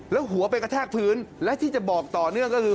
แล้วหัวไปกระแทกพื้นและที่จะบอกต่อเนื่องก็คือ